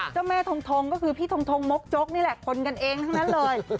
เจ้าแม่ทงก็คือพี่ทงมกจกนี่แหละคนกันเองทั้งนั้นเลย